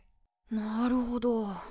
なるほど。